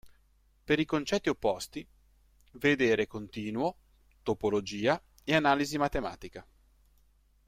Per i concetti opposti, vedere continuo, topologia, e analisi matematica.